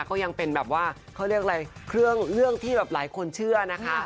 ก็ยังเป็นแบบว่าเขาเรียกอะไรเครื่องเรื่องที่แบบหลายคนเชื่อนะคะ